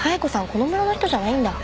この村の人じゃないんだ。